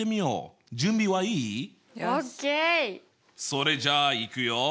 それじゃあいくよ。